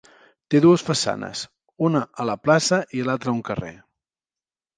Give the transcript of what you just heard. Té dues façanes, una a la plaça i l'altra a un carrer.